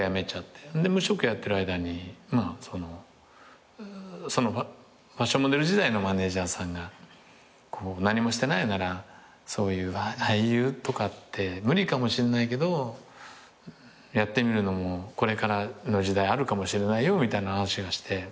無職やってる間にファッションモデル時代のマネジャーさんが何もしてないようなら俳優とかって無理かもしんないけどやってみるのもこれからの時代あるかもしれないよみたいな話をして。